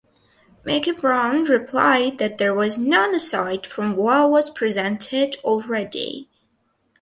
Mickey Brown replied that there was none aside from what was presented already.